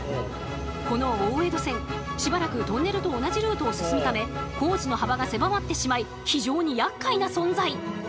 この大江戸線しばらくトンネルと同じルートを進むため工事の幅が狭まってしまい非常にやっかいな存在。